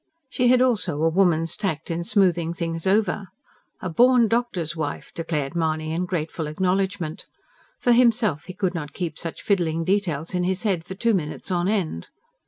She had also a woman's tact in smoothing things over. A born doctor's wife, declared Mahony in grateful acknowledgment. For himself he could not keep such fiddling details in his head for two minutes on end.